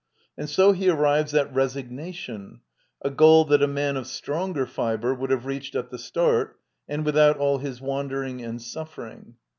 And so he arrives at res ignation — a goal that a^m^l of sUoiigei fibre would have Tcached a t the start, and without all his wandering and^suffering.